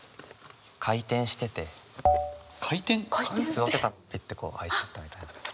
回転？座ってたらぺってこう入っちゃったみたいな。